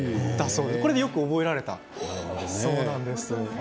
これで、よく覚えられたそうです。